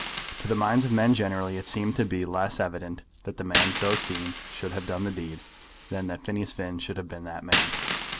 To the minds of men generally it seemed to be less evident that the man so seen should have done the deed, than that Phineas Finn should have been that man.